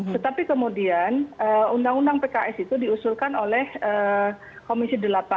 tetapi kemudian undang undang pks itu diusulkan oleh komisi delapan